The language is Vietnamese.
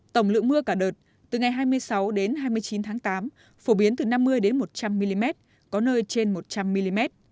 tổng lượng mưa cả đợt từ ngày hai mươi sáu đến hai mươi chín tháng tám phổ biến từ năm mươi một trăm linh mm có nơi trên một trăm linh mm